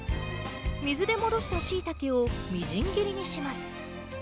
水で戻したシイタケをみじん切りにします。